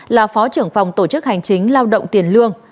là phó trưởng phòng tổ chức hành chính lao động tiền lương